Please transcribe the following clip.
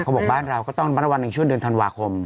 บอกบ้านเราก็ต้องระวังในช่วงเดือนธันวาคม